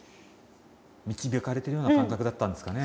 導かれてるような感覚だったんですかね。